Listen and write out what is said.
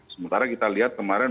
sementara kita lihat kemarin